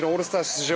出場